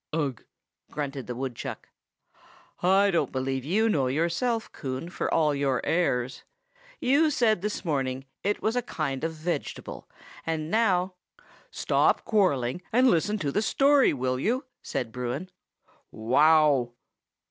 "Ugh!" grunted the woodchuck. "I don't believe you know yourself, Coon, for all your airs! You said this morning it was a kind of vegetable, and now—" "Stop quarrelling, and listen to the story, will you?" said Bruin. "Wow!"